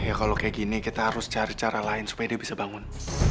ya kalau kayak gini kita harus cari cara lain supaya dia bisa bangun